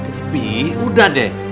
debbie udah deh